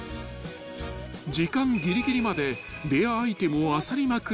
［時間ぎりぎりまでレアアイテムをあさりまくる